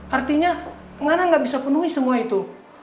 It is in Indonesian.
artinya ngana gak bisa penuhi semua itu